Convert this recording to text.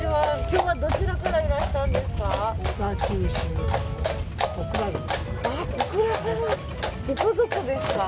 今日はどちらからいらしたんですか。